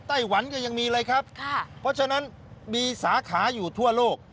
ไต้หวันก็ยังมีเลยครับค่ะเพราะฉะนั้นมีสาขาอยู่ทั่วโลก